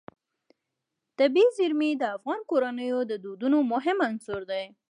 طبیعي زیرمې د افغان کورنیو د دودونو مهم عنصر دی.